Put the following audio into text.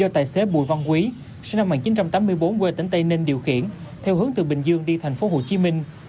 do tài xế bùi văn quý sinh năm một nghìn chín trăm tám mươi bốn quê tỉnh tây ninh điều khiển theo hướng từ bình dương đi thành phố hồ chí minh